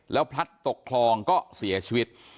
แล้วพลัดตกคลองก็เสียชีวิต